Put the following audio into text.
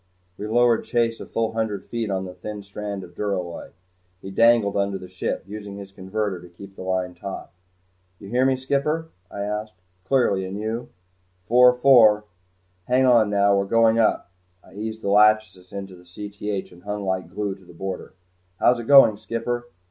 We lowered Chase a full hundred feet on the thin strand of duralloy. He dangled under the ship, using his converter to keep the line taut. "You hear me, skipper?" I asked. "Clearly and you?" "Four four. Hang on now we're going up." I eased the "Lachesis" into Cth and hung like glue to the border. "How's it going, skipper?"